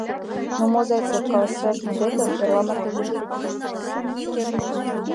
— Ну, мо, Зайцев, каласышаш мутетым эрла марте коден отыл, тиде сай!